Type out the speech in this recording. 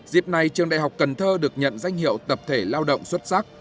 dịp này trường đại học cần thơ được nhận danh hiệu tập thể lao động xuất sắc